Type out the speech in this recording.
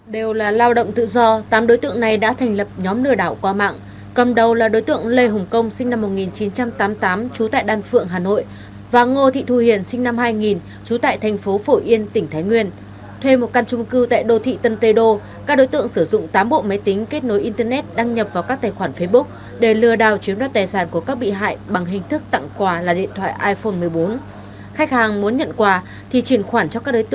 điều đang nói là cả tám đối tượng không một ai có bằng cấp về công nghệ cao vừa bị phòng an ninh mạng và phòng chống tội phạm sử dụng công nghệ cao công an thành phố hà nội